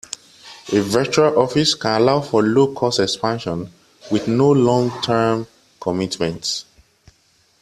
A virtual office can allow for low-cost expansion with no long-term commitments.